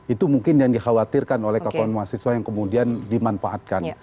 itu mungkin yang dikhawatirkan oleh kawan mahasiswa yang kemudian dimanfaatkan